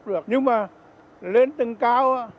được nhưng mà lên tầng cao